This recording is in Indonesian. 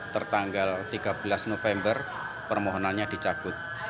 tertanggal tiga belas november permohonannya dicabut